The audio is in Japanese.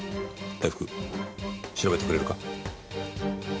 大福調べてくれるか？